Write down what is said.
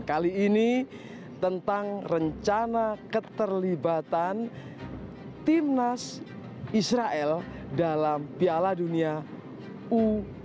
kali ini tentang rencana keterlibatan timnas israel dalam piala dunia u dua puluh